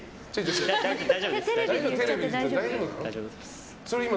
大丈夫です。